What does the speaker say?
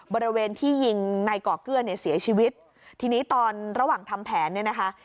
บริเวณที่ยิงนายก่อเกื้อเนี่ยเสียชีวิตทีนี้ตอนระหว่างทำแผนเนี่ยนะคะ